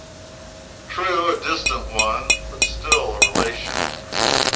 True, a distant one, but still a relation.